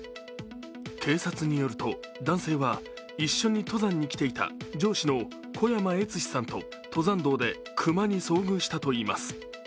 警察によると男性は一緒に登山に聞いた上司の小山悦志さんと登山道で熊に遭遇したといいます。